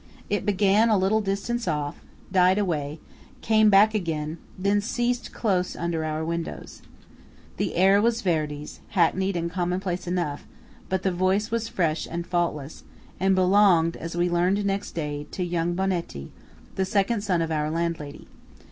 It began a little distance off–died away–came back again–then ceased close under our windows. The air was Verdi's, hackneyed and conmmonplace enough; but the voice was fresh and faultless, and belonged, as we learned next day, to young Bonetti, the second son of our landlady.